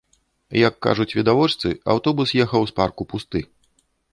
Як кажуць відавочцы, аўтобус ехаў з парку пусты.